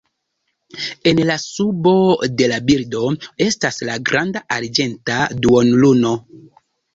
En la subo de la bildo estas la granda, arĝenta duonluno.